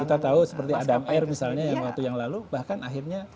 kita tahu seperti adam air misalnya yang waktu yang lalu bahkan akhirnya